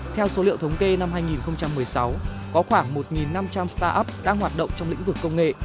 theo số liệu thống kê năm hai nghìn một mươi sáu có khoảng một năm trăm linh start up đang hoạt động trong lĩnh vực công nghệ